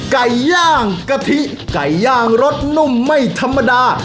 ไก่ย่างกะทิไก่ย่างรสนุ่มไม่ธรรมดา